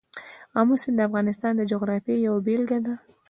آمو سیند د افغانستان د جغرافیې یوه بېلګه ده.